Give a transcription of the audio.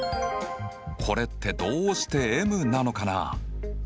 これってどうしてＭなのかな？